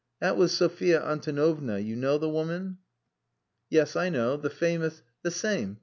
"That was Sophia Antonovna you know the woman?..." "Yes, I know the famous..." "The same.